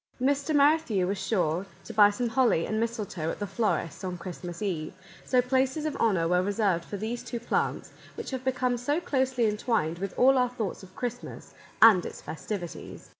Mr. Merrithew was sure to buy some holly and mistletoe at the florist's on Christmas Eve, so places of honour were reserved for these two plants, which have become so closely entwined with all our thoughts of Christmas and its festivities.